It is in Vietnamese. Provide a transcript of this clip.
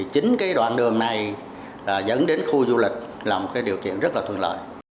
chính đoạn đường này dẫn đến khu du lịch là một điều kiện rất thường lợi